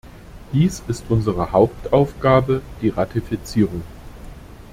Dies ist unsere Hauptaufgabe die Ratifizierung.